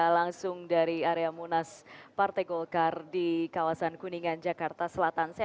pak jokowi pak erlangga artarto